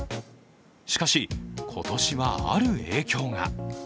しかし、今年はある影響が。